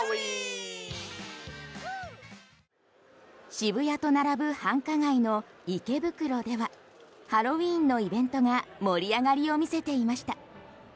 渋谷と並ぶ繁華街の池袋ではハロウィンのイベントが盛り上がりを見せていました。